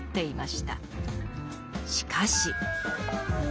しかし。